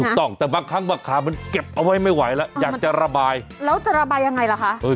ถูกต้องแต่บางครั้งบางครามันเก็บเอาไว้ไม่ไหวแล้วอยากจะระบายแล้วจะระบายยังไงล่ะคะ